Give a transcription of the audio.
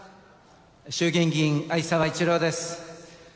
衆議院議員、逢沢一郎です。